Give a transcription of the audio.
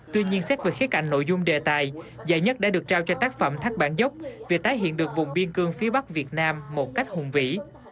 tuy nhiên xét về khía cạnh nội dung đề tài giải nhất đã được trao cho tác phẩm thác bản dốc vì tái hiện được vùng biên cương phía bắc việt nam một cách hùng vĩ